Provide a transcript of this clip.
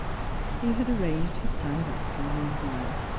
He had arranged his jjlan of action meanwhile.